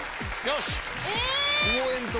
よし！